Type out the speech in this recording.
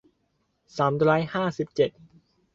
สามร้อยห้าสิบเจ็ด